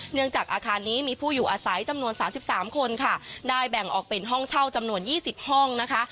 เนื่องจากอาคารนี้มีผู้อยู่อาศัยจำนวนสามสิบสามคนค่ะได้แบ่งออกเป็นห้องเช่าจำนวนยี่สิบห้องนะคะ